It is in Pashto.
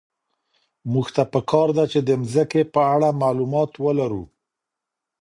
موږ ته په کار ده چي د مځکي په اړه معلومات ولرو.